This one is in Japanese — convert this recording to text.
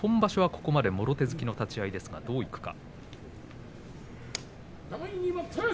ここまではもろ手突きの立ち合いですがどういきますか。